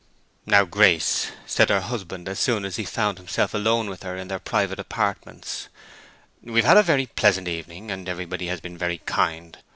"Now, Grace," said her husband as soon as he found himself alone with her in their private apartments, "we've had a very pleasant evening, and everybody has been very kind.